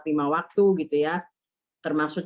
lima waktu gitu ya termasuk